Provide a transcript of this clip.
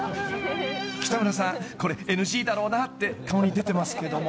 ［北村さんこれＮＧだろうなって顔に出てますけども］